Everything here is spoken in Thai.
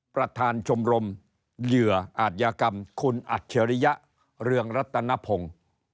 ประธานชมรมเหยื่ออาจยากรรมคุณอัจฉริยะเรืองรัตนพงศ์